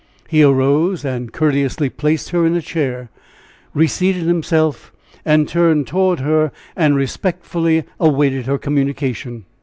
He arose and courteously placed her a chair, reseated himself, and turned toward her and respectfully awaited her communication.